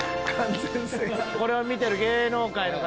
これを見てる芸能界の方